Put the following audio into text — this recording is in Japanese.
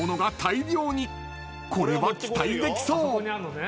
［これは期待できそう！］